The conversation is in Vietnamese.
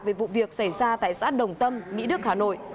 về vụ việc xảy ra tại xã đồng tâm mỹ đức hà nội